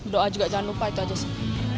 doa juga jangan lupa itu aja sih